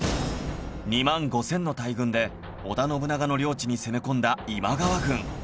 ２万５０００の大軍で織田信長の領地に攻め込んだ今川軍